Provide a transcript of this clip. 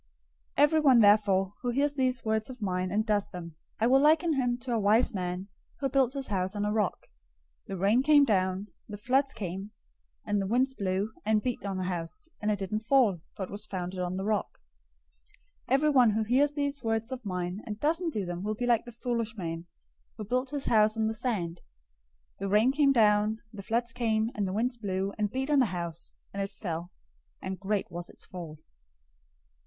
007:024 "Everyone therefore who hears these words of mine, and does them, I will liken him to a wise man, who built his house on a rock. 007:025 The rain came down, the floods came, and the winds blew, and beat on that house; and it didn't fall, for it was founded on the rock. 007:026 Everyone who hears these words of mine, and doesn't do them will be like a foolish man, who built his house on the sand. 007:027 The rain came down, the floods came, and the winds blew, and beat on that house; and it fell and great was its fall."